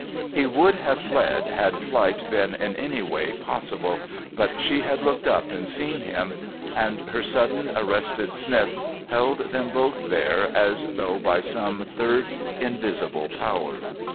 He would have fled had flight been in any way possible, but she had looked up and seen him, and her sudden arrested sniff held them both there as though by some third invisible power.